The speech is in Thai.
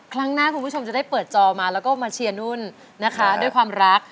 ครั้งหน้าคุณผู้ชมจะได้เปิดจอมาแล้วก็มาเชียร์นุ่นนะคะด้วยความรัก